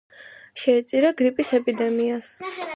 შეეწირა გრიპის ეპიდემიას.